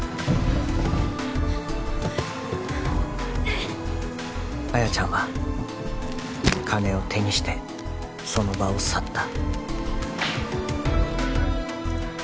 うんっ亜矢ちゃんは金を手にしてその場を去った